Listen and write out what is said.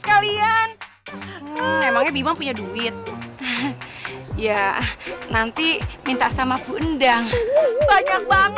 kalau keren keren disini gak ada yang ngontong